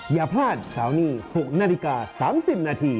อย่าพลาดเสาร์นี้๖นาฬิกา๓๐นาที